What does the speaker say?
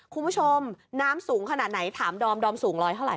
คุณผู้ชมน้ำสูงขนาดไหนถามดอมดอมสูงร้อยเท่าไห